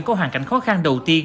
có hoàn cảnh khó khăn đầu tiên